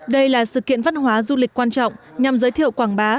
đây là sự kiện văn hóa du lịch quan trọng nhằm giới thiệu quảng bá